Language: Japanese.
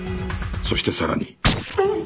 そしてさらにうっ！